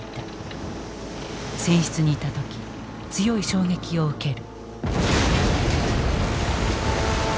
船室にいた時強い衝撃を受ける。